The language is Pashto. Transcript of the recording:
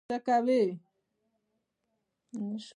څه کوې؟